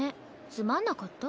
つまんなかった？